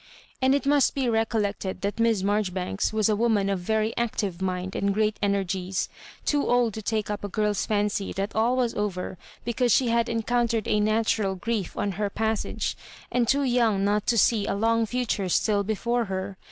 And it must be recol lected that Miss Marjoribanks was a woman of very active mind and great energies, too old to take up a girl's fancy that all was over because she had encountered a natural grief on her pas sage, and tCK) young not to see a long future still before her.